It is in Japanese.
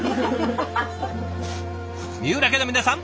三浦家の皆さん